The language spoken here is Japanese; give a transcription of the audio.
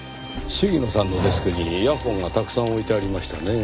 鴫野さんのデスクにイヤフォンがたくさん置いてありましたねぇ。